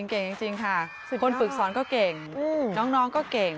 เก่งจริงค่ะคนฝึกสอนก็เก่งน้องก็เก่ง